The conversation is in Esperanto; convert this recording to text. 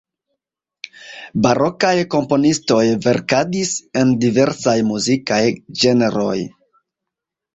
Barokaj komponistoj verkadis en diversaj muzikaj ĝenroj.